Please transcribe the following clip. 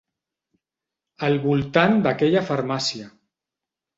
Al voltant d'aquella farmàcia.